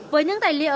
với những tài liệu